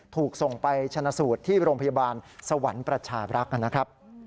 ถูกส่งไปชนะสูตรที่โรงพยาบาลสวรรค์ประชาบรักษ์นะครับ